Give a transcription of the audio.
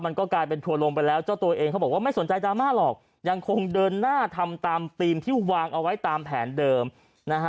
มันก็กลายเป็นทัวร์ลงไปแล้วเจ้าตัวเองเขาบอกว่าไม่สนใจดราม่าหรอกยังคงเดินหน้าทำตามธีมที่วางเอาไว้ตามแผนเดิมนะฮะ